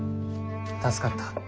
助かった。